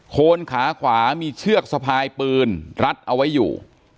โคนขาขวามีเชือกสะพายปืนรัดเอาไว้อยู่